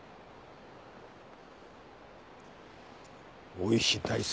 大石大輔。